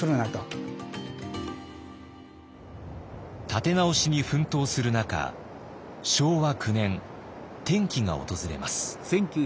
立て直しに奮闘する中昭和９年転機が訪れます。